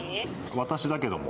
私だけども。